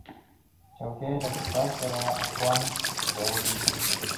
چوکۍ له کتاب سره خوند راوړي.